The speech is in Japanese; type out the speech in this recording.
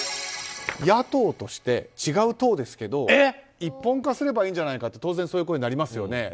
野党として違う党ですけど一本化すればいいんじゃないかと当然そういう声になりますよね。